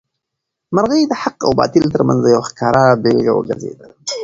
مرغۍ د حق او باطل تر منځ یو ښکاره بېلګه وګرځېده.